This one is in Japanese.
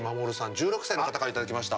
１６歳の方から頂きました。